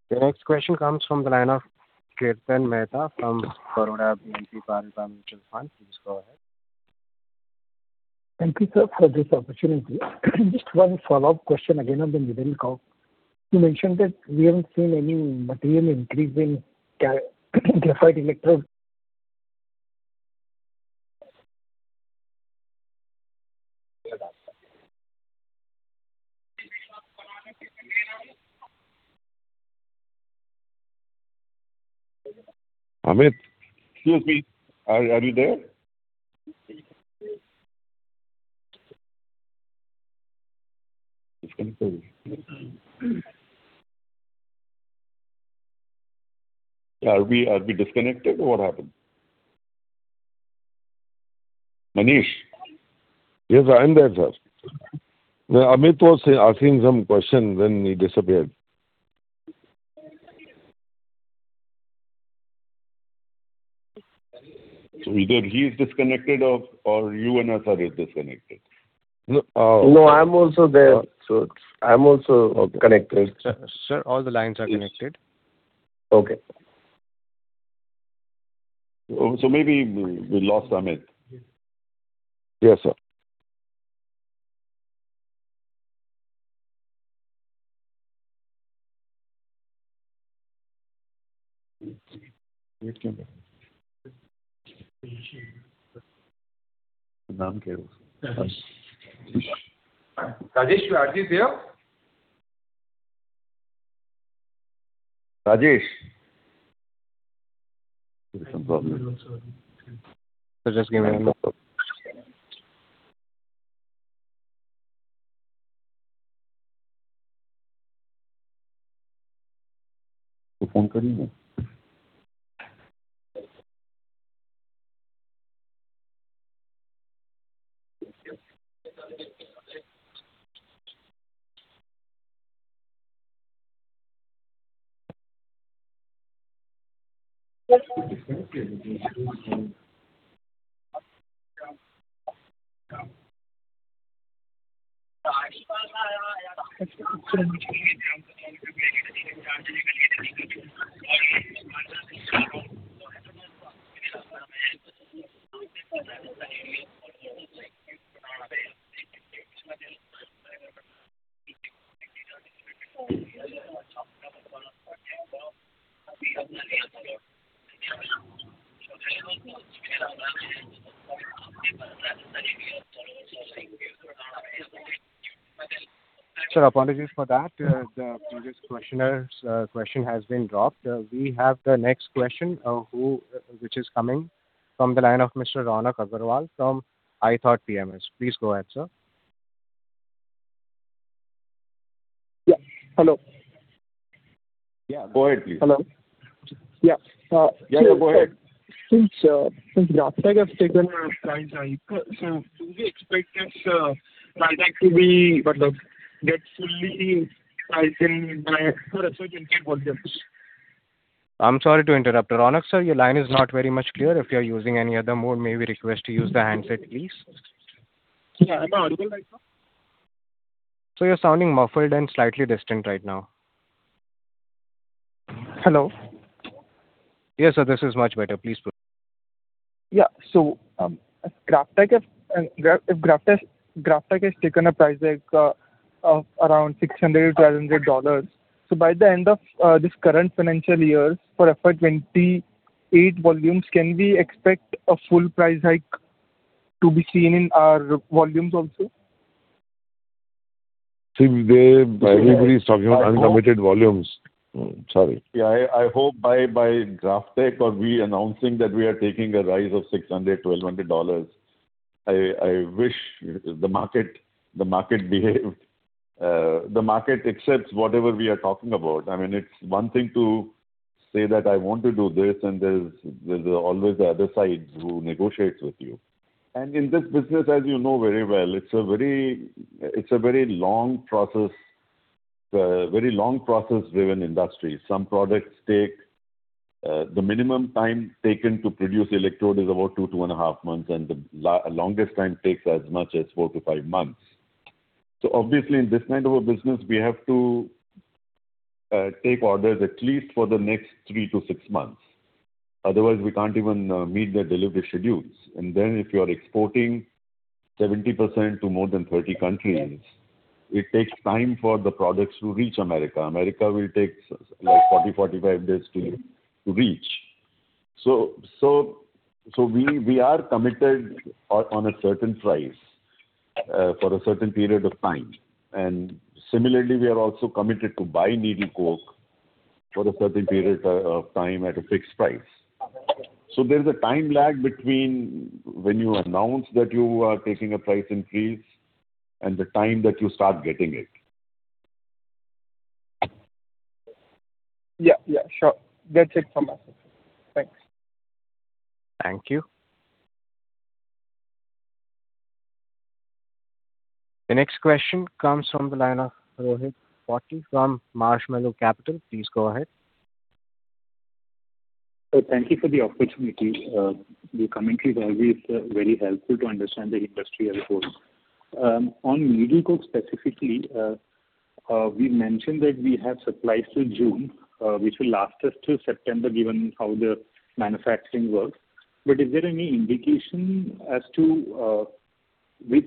The next question comes from the line of Kirtan Mehta from Baroda BNP Paribas Mutual Fund. Please go ahead. Thank you, sir, for this opportunity. Just one follow-up question again on the needle coke. You mentioned that we haven't seen any material increase in graphite electrode. Amit, excuse me. Are you there? Disconnected. Are we disconnected? What happened? Manish? Yes, I am there, sir. Amit was asking some question when he disappeared. Either he's disconnected or you and us are disconnected. No. No, I'm also there. I'm also connected. Sir, sir, all the lines are connected. Okay. Oh, maybe we lost Amit. Yes, sir. Rajesh, we are D.C., yeah? Rajesh? Sir, just give me a minute. Sir, apologies for that. The previous questioner's question has been dropped. We have the next question, which is coming from the line of Mr. Raunak Agarwal from iThought PMS. Please go ahead, sir. Yeah. Hello. Yeah, go ahead, please. Hello. Yeah. Yeah, go ahead. Since GrafTech has taken a price hike, do we expect this, price hike to be, what, get fully priced in by FY 2028 volumes? I'm sorry to interrupt. Raunak sir, your line is not very much clear. If you're using any other mode, may we request to use the handset, please? Yeah, am I audible right now? Sir, you're sounding muffled and slightly distant right now. Hello. Yes, sir. This is much better. Yeah. So, GrafTech has taken a price hike, of around $600-$1,200. By the end of this current financial year, for FY 2028 volumes, can we expect a full price hike to be seen in our volumes also? See, everybody's talking about uncommitted volumes. Sorry. Yeah, I hope by GrafTech or we announcing that we are taking a rise of $600, $1,200, I wish the market behave, the market accepts whatever we are talking about. I mean, it's one thing to say that I want to do this, and there's always the other side who negotiates with you. In this business, as you know very well, it's a very long process-driven industry. Some products take. The minimum time taken to produce electrode is about 2-2.5 months, and the longest time takes as much as 4-5 months. Obviously, in this kind of a business, we have to take orders at least for the next 3-6 months. Otherwise, we can't even meet the delivery schedules. If you are exporting 70% to more than 30 countries. Yes it takes time for the products to reach America. America will take like 40, 45 days to reach. we are committed on a certain price for a certain period of time. Similarly, we are also committed to buy needle coke for a certain period of time at a fixed price. Okay. There's a time lag between when you announce that you are taking a price increase and the time that you start getting it. Yeah. Yeah, sure. That's it from my side. Thanks. Thank you. The next question comes from the line of Rohith Potti from Marshmallow Capital. Please go ahead. Thank you for the opportunity. Your commentary is always very helpful to understand the industry and reports. On needle coke specifically, we mentioned that we have supply through June, which will last us till September given how the manufacturing works. Is there any indication as to with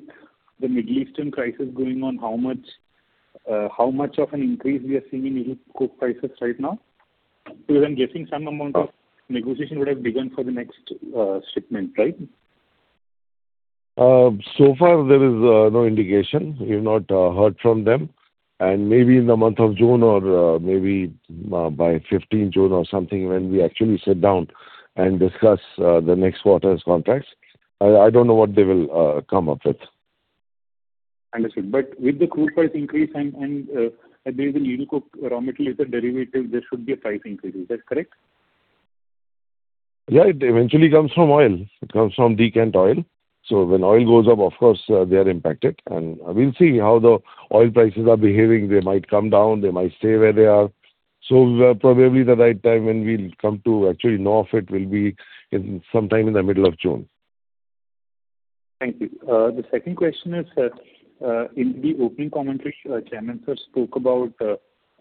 the Middle Eastern crisis going on, how much of an increase we are seeing in needle coke prices right now? I'm guessing some amount of negotiation would have begun for the next shipment, right? So far there is no indication. We've not heard from them. Maybe in the month of June or maybe by 15th June or something when we actually sit down and discuss the next quarter's contracts. I don't know what they will come up with. Understood. With the crude price increase and as the needle coke raw material is a derivative, there should be a price increase. Is that correct? Yeah. It eventually comes from oil. It comes from decant oil. When oil goes up, of course, they are impacted. We'll see how the oil prices are behaving. They might come down. They might stay where they are. Probably the right time when we'll come to actually know of it will be in some time in the middle of June. Thank you. The second question is that, in the opening commentary, Chairman, sir spoke about the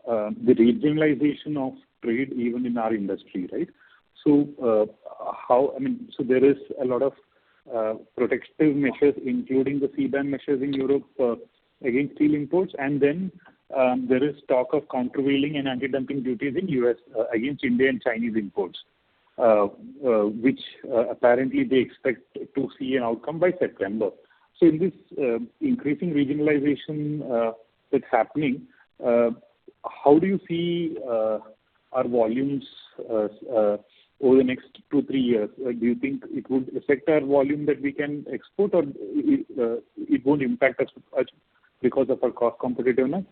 regionalization of trade even in our industry, right? I mean, there is a lot of protective measures, including the CBAM measures in Europe, against steel imports. There is talk of countervailing and antidumping duties in U.S., against Indian-Chinese imports, which apparently they expect to see an outcome by September. In this increasing regionalization, that's happening, how do you see our volumes over the next 2, 3 years? Do you think it would affect our volume that we can export, or it won't impact us much because of our cost competitiveness?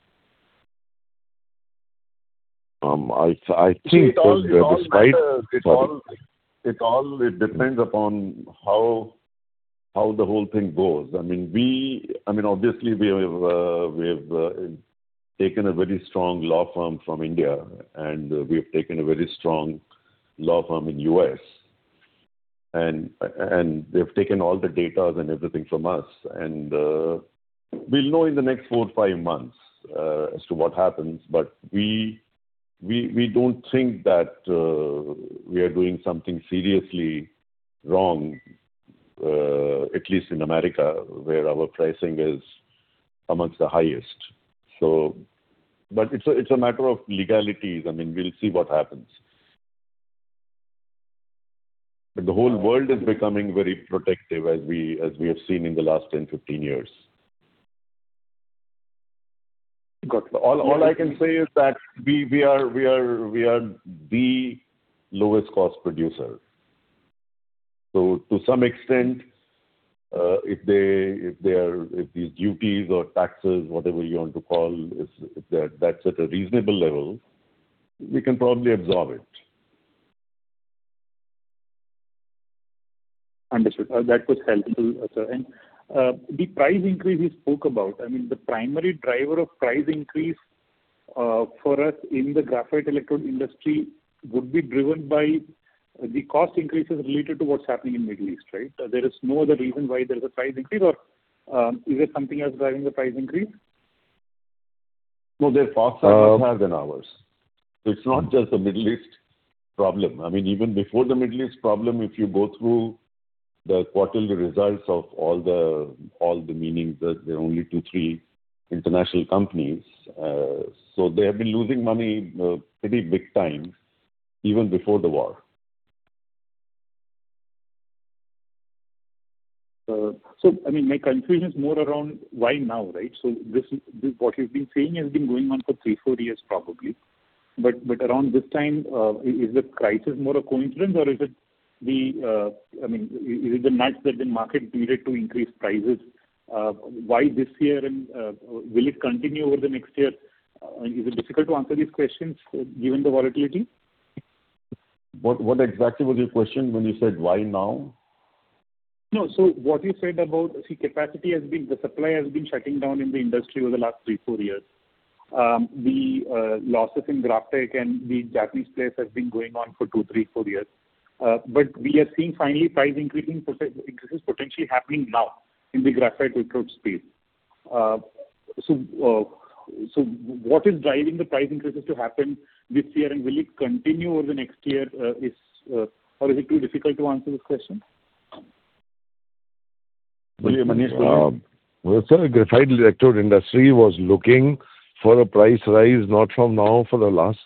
It all matters. It all depends upon how the whole thing goes. Obviously we have taken a very strong law firm from India, and we have taken a very strong law firm in U.S. They've taken all the data and everything from us. We'll know in the next four, five months as to what happens. We don't think that we are doing something seriously wrong, at least in America, where our pricing is amongst the highest. It's a matter of legalities. We'll see what happens. The whole world is becoming very protective, as we, as we have seen in the last 10, 15 years. Got it. All I can say is that we are the lowest cost producer. To some extent, if they are, if these duties or taxes, whatever you want to call, if that's at a reasonable level, we can probably absorb it. Understood. That was helpful, sir. The price increase you spoke about, I mean, the primary driver of price increase for us in the graphite electrode industry would be driven by the cost increases related to what's happening in Middle East, right? There is no other reason why there is a price increase, or is there something else driving the price increase? Their costs are much higher than ours. It's not just a Middle East problem. I mean, even before the Middle East problem, if you go through the quarterly results of all the main ones that there are only two, three international companies. They have been losing money pretty big time even before the war. I mean, my confusion is more around why now, right? This, what you've been saying has been going on for 3, 4 years probably. Around this time, is the crisis more a coincidence or, I mean, is it the nudge that the market needed to increase prices? Why this year and, will it continue over the next year? Is it difficult to answer these questions given the volatility? What exactly was your question when you said why now? No. What you said about the capacity has been, the supply has been shutting down in the industry over the last 3, 4 years. The losses in GrafTech and the Japanese players has been going on for 2, 3, 4 years. We are seeing finally price increasing increases potentially happening now in the graphite electrode space. What is driving the price increases to happen this year, and will it continue over the next year? Is it too difficult to answer this question? Well, sir, graphite electrode industry was looking for a price rise not from now, for the last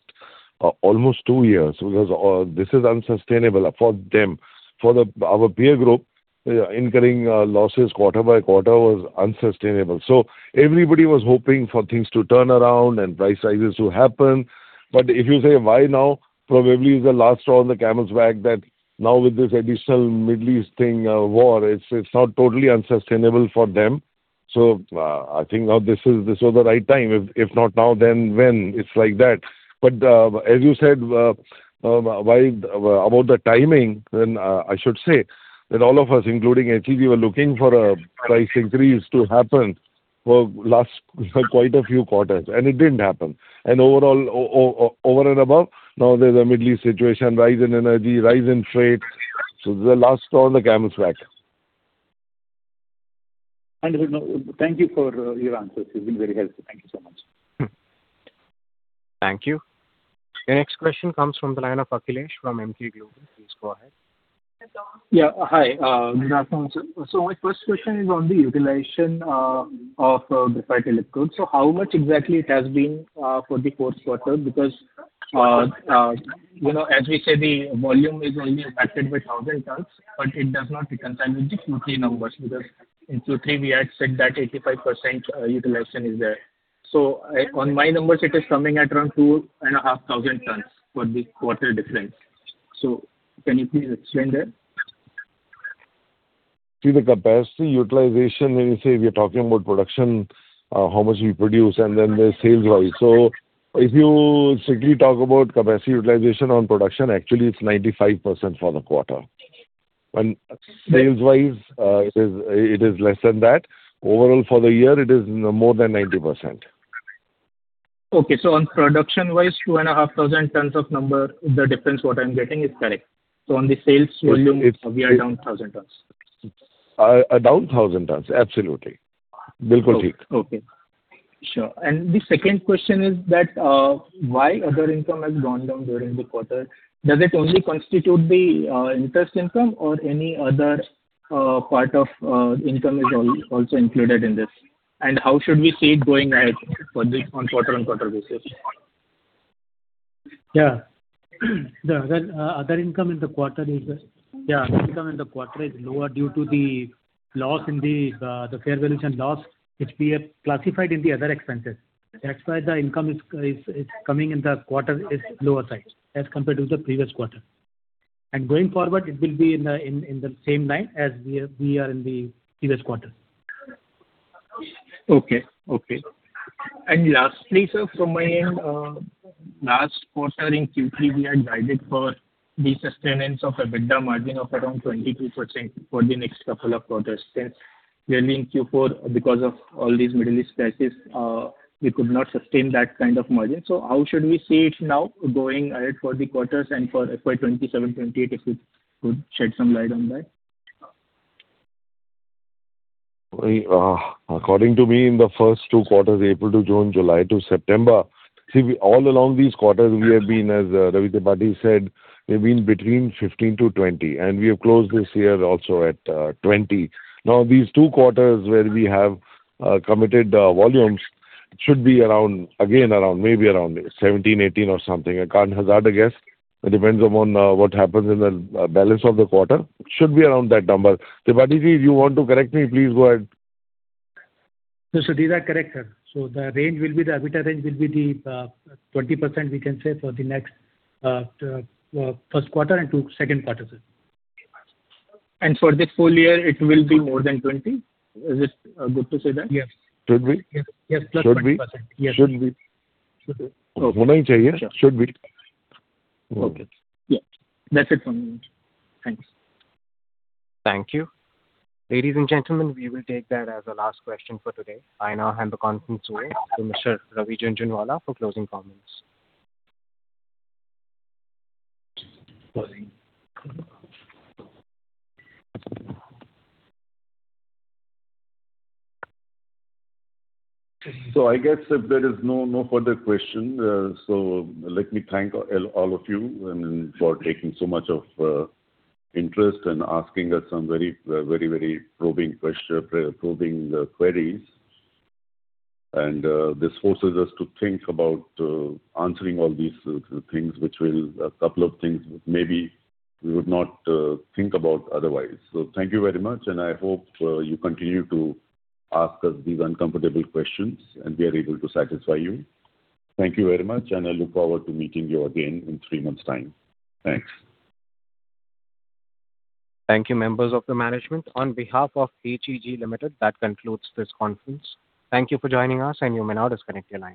almost two years, because this is unsustainable for them. Our peer group incurring losses quarter by quarter was unsustainable. Everybody was hoping for things to turn around and price rises to happen. If you say why now, probably is the last straw on the camel's back that now with this additional Middle East thing, war, it's now totally unsustainable for them. I think now this was the right time. If not now, then when? It's like that. As you said, why about the timing, I should say that all of us, including HEG, were looking for price increase to happen for last quite a few quarters, and it didn't happen. Overall, over and above, now there's a Middle East situation, rise in energy, rise in freight. The last straw on the camel's back. Understood. No, thank you for your answers. It's been very helpful. Thank you so much. Hmm. Thank you. The next question comes from the line of Akhilesh from Emkay Global. Please go ahead. Yeah. Hi. Good afternoon, sir. My first question is on the utilization of graphite electrodes. How much exactly it has been for the fourth quarter? You know, as we say, the volume is only affected by 1,000 tons, but it does not reconcile with the Q3 numbers, because in Q3 we had said that 85% utilization is there. On my numbers, it is coming at around 2,500 tons for the quarter difference. Can you please explain that? The capacity utilization, when you say we are talking about production, how much we produce, and then there's sales wise. If you strictly talk about capacity utilization on production, actually it's 95% for the quarter. Sales wise, it is less than that. Overall, for the year it is more than 90%. Okay. On production wise, 2,500 tons of number, the difference what I'm getting is correct. On the sales volume- It's. We are down 1,000 tons. Down 1,000 tons, absolutely. Okay. Sure. The second question is that, why other income has gone down during the quarter? Does it only constitute the interest income or any other part of income is also included in this? How should we see it going ahead on quarter-on-quarter basis? Yeah, other income in the quarter is lower due to the loss in the the fair valuation loss which we have classified in the other expenses. That's why the income is coming in the quarter is lower side as compared to the previous quarter. Going forward, it will be in the same line as we are in the previous quarter. Okay. Okay. Lastly, sir, from my end, last quarter in Q3 we had guided for the sustenance of EBITDA margin of around 22% for the next couple of quarters. Since we are in Q4, because of all these Middle East crisis, we could not sustain that kind of margin. How should we see it now going ahead for the quarters and for FY 2027, 2028, if you could shed some light on that? We, according to me, in the first two quarters, April to June, July to September, see, we all along these quarters we have been, as Ravi Tripathi said, we've been between 15%-20%, and we have closed this year also at 20%. Now, these two quarters where we have committed volumes should be around, again around, maybe around 17%, 18% or something. I can't hazard a guess. It depends upon what happens in the balance of the quarter. Should be around that number. Tripathi ji, if you want to correct me, please go ahead. No, sir, these are correct, sir. The EBITDA range will be the 20% we can say for the next first quarter and to second quarter, sir. For this full year it will be more than 20%? Is it good to say that? Yes. Should be. Yes. Yes. +20%. Should be. Okay. Sure. Should be. Okay. Yes. That's it from me. Thanks. Thank you. Ladies and gentlemen, we will take that as the last question for today. I now hand the conference away to Mr. Ravi Jhunjhunwala for closing comments. I guess if there is no further question, so let me thank all of you, for taking so much of interest and asking us some very probing queries. This forces us to think about answering all these things which will, a couple of things maybe we would not think about otherwise. Thank you very much, and I hope, you continue to ask us these uncomfortable questions and we are able to satisfy you. Thank you very much, and I look forward to meeting you again in three months' time. Thanks. Thank you, members of the management. On behalf of HEG Limited, that concludes this conference. Thank you for joining us, and you may now disconnect your lines.